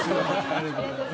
ありがとうございます。